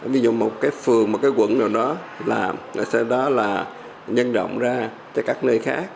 ví dụ một cái phường một cái quận nào đó làm là sau đó là nhân rộng ra tại các nơi khác